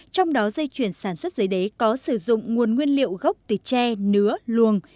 trong đó dây chuyển sản xuất giấy đế có sử dụng nguồn nguyên liệu gốc từ tre nứa luồng